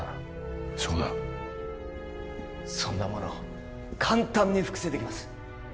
そうだそんなもの簡単に複製できます